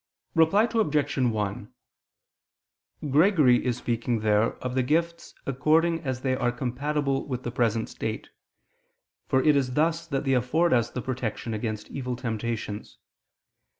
Reply Obj. 1: Gregory is speaking there of the gifts according as they are compatible with the present state: for it is thus that they afford us protection against evil temptations.